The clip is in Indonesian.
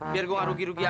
biar gua gak rugi rugi aman